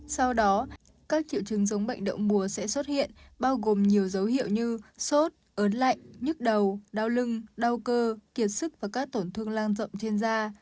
sau đó các triệu chứng giống bệnh đậu mùa sẽ xuất hiện bao gồm nhiều dấu hiệu như sốt ớn lạnh nhức đầu đau lưng đau cơ kiệt sức và các tổn thương lan rộng trên da